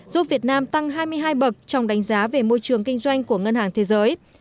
giúp việt nam tăng hai mươi hai bậc trong đánh giá về môi trường kinh doanh của ngân hàng thế giới